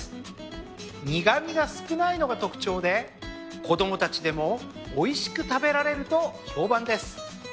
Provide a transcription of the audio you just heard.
苦味が少ないのが特徴で子供たちでもおいしく食べられると評判です。